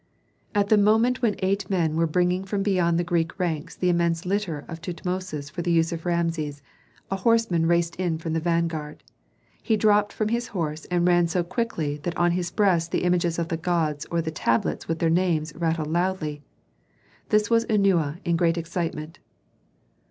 At the moment when eight men were bringing from beyond the Greek ranks the immense litter of Tutmosis for the use of Rameses, a horseman raced in from the vanguard. He dropped from his horse and ran so quickly that on his breast the images of the gods or the tablets with their names rattled loudly. This was Eunana in great excitement.